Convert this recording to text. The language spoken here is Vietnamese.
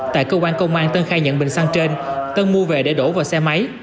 tại cơ quan công an tân khai nhận bình xăng trên tân mua về để đổ vào xe máy